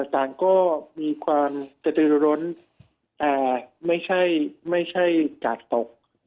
สาหก็มีความกระตื้อร้นแต่ไม่ใช่กาดตก